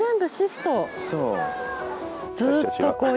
そう。